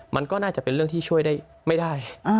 มันก็น่าจะเป็นเรื่องที่ช่วยได้ไม่ได้